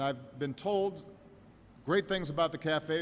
dan saya telah diberitahu hal hal yang bagus tentang cafe ini